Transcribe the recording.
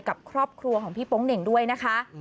กับครอบครัวของพี่โป๊งเหน่งด้วยนะคะ